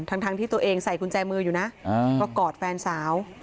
ทั้งที่ตัวเองใส่กุญแจมืออยู่นะก็กอดแฟนสาว